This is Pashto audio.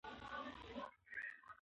ابن خلدون د عمران د علم بنسټ ایښی دی.